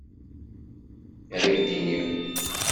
Ad k-d-iniɣ.